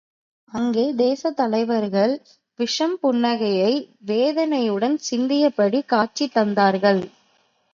அங்கே, தேசத்தலைவர்கள் விஷமப் புன்னகையை வேதனையுடன் சிந்தியபடி காட்சி தந்தார்கள்.